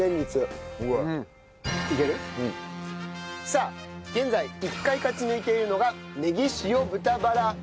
さあ現在１回勝ち抜いているのがネギ塩豚バラ釜飯です。